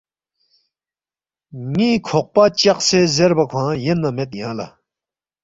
”ن٘ی کھوقپہ چقسے زیربا کھوانگ یَنما مید یانگ لہ